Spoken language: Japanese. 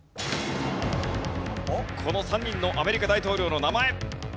この３人のアメリカ大統領の名前。